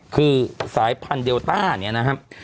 คือสายพันธุ์เดลต้าเนี่ยนะครับ